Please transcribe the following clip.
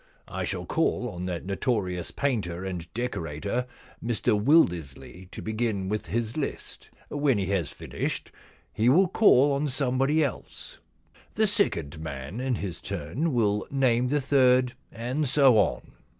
I shall call on that notorious painter and decorator, Mr Wildersley, to begin with his list. When he has finished he will call on somebody else. The second man in his turn will name the third, and so on.